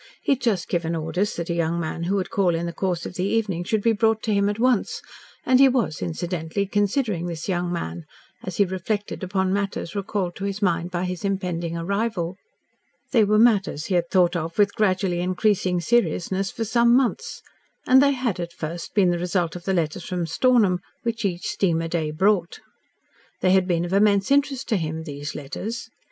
He had just given orders that a young man who would call in the course of the evening should be brought to him at once, and he was incidentally considering this young man, as he reflected upon matters recalled to his mind by his impending arrival. They were matters he had thought of with gradually increasing seriousness for some months, and they had, at first, been the result of the letters from Stornham, which each "steamer day" brought. They had been of immense interest to him these letters.